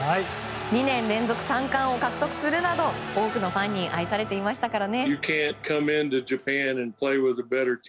２年連続三冠王を獲得するなど多くのファンに愛されていましたからね。